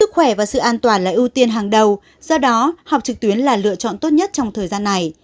sức khỏe và sự an toàn là ưu tiên hàng đầu do đó học trực tuyến là lựa chọn tốt nhất trong thời gian này